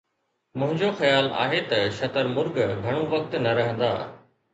منهنجو خيال آهي ته شتر مرغ گهڻو وقت نه رهندا.